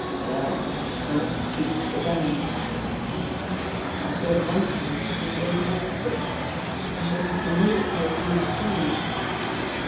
"Well, that beats the band," said Parr. "I thought at one time he was going to have a fit, and then did you notice how his manner changed?"